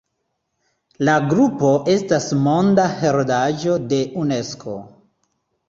La grupo estas Monda heredaĵo de Unesko.